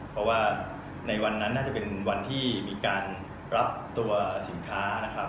เพราะว่าในวันนั้นน่าจะเป็นวันที่มีการรับตัวสินค้านะครับ